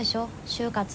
就活。